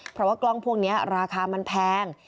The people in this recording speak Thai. เพราะว่ากล้องพวกนี้ราคามันแพง